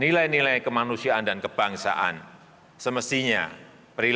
peran media digital yang saat ini sangat besar harus diperlukan untuk memperbaiki